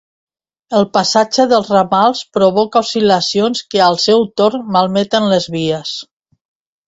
El passatge dels ramals provoca oscil·lacions que al seu torn malmeten les vies.